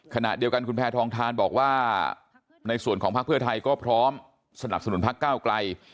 ขณะเดียวกันคุณแพทองทานบอกว่าในส่วนของพักเพื่อไทยก็พร้อมสนับสนุนพักก้าวไกล